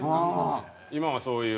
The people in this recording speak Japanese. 今もそういう？